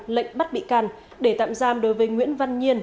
lệnh bắt bị can để tạm giam đối với nguyễn văn nhiên